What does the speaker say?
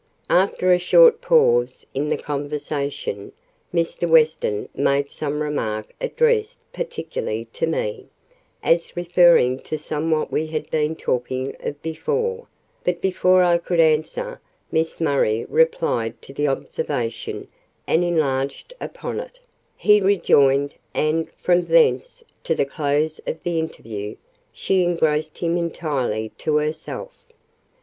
After a short pause in the conversation, Mr. Weston made some remark addressed particularly to me, as referring to something we had been talking of before; but before I could answer, Miss Murray replied to the observation and enlarged upon it: he rejoined; and, from thence to the close of the interview, she engrossed him entirely to herself.